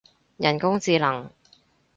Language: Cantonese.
人工智能